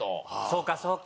そうかそうか。